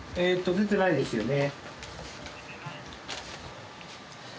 「出てないですね」